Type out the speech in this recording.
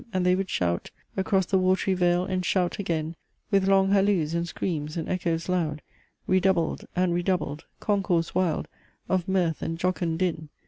And they would shout Across the watery vale, and shout again, With long halloos, and screams, and echoes loud Redoubled and redoubled; concourse wild Of mirth and jocund din!